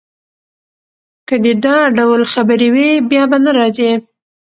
که دي دا ډول خبرې وې، بیا به نه راځې.